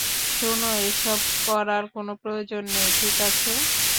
শোনো, এসব করার কোনো প্রয়োজন নেই, ঠিক আছে?